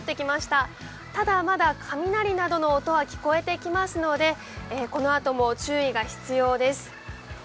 ただ、まだ雷などの音は聞こえてきますのでこのあとも注意が必要です。